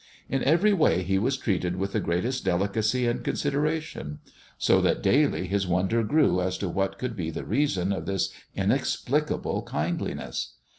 In every way he was treated with the greatest 1 delicacy and consideration ; so that daily his wonder grew as to what could be the reason of this inexplicable kindli ness.